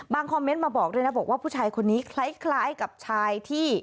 คอมเมนต์มาบอกด้วยนะบอกว่าผู้ชายคนนี้คล้ายกับชายที่